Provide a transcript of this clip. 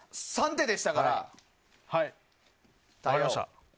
分かりました。